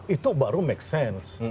itu baru make sense